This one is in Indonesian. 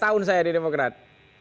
sepuluh tahun saya di demokrat